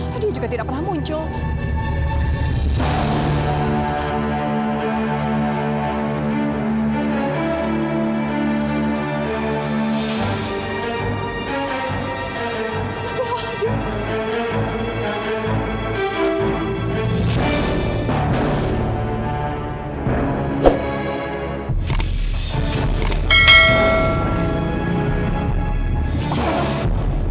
tapi dia juga tidak pernah muncul